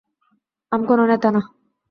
আমি কোনো নেতা না।